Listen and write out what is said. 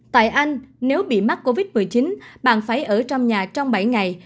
tại anh nếu bị mắc covid một mươi chín bạn phải ở trong nhà trong bảy ngày